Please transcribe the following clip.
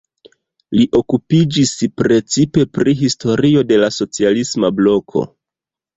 Li okupiĝis precipe pri historio de la socialisma bloko.